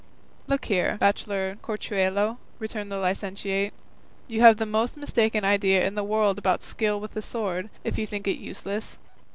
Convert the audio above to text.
"Look here, bachelor Corchuelo," returned the licentiate, "you have the most mistaken idea in the world about skill with the sword, if you think it useless."